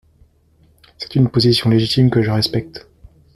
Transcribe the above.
C’est une position légitime, que je respecte.